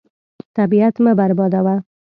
طبیعت مه بربادوه.